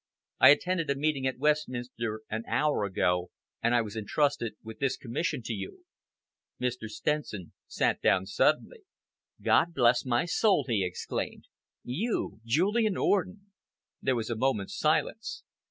I attended a meeting at Westminster an hour ago, and I was entrusted with this commission to you." Mr. Stenson sat down suddenly. "God bless my soul!" he exclaimed. "You Julian Orden!" There was a moment's silence.